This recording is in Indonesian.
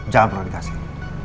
jangan pernah dikasih